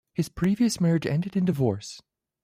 His previous marriage ended in divorce.